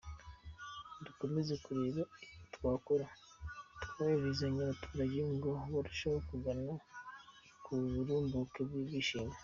Dukomeje kureba ibyo twakora tworohereza abaturage ngo barusheho kugana ku burumbuke n’ibyishimo.